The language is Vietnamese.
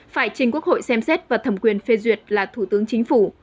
phải trình quốc hội xem xét và thẩm quyền phê duyệt là thủ tướng chính phủ